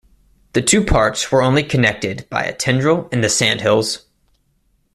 The two parts were only connected by a tendril in the Sandhills.